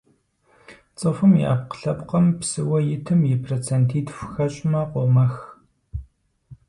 Цӏыхум и ӏэпкълъэпкъым псыуэ итым и процентитху хэщӏмэ къомэх.